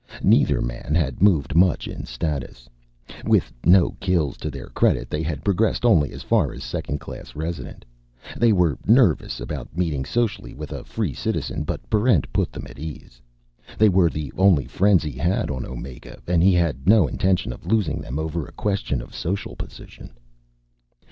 Neither man had moved much in status; with no kills to their credit, they had progressed only as far as Second Class Resident. They were nervous about meeting socially with a Free Citizen, but Barrent put them at ease. They were the only friends he had on Omega, and he had no intention of losing them over a question of social position.